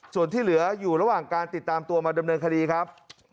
ส่วนที่เหลืออยู่ระหว่างการติดตามตัวมาดำเนินคดีครับ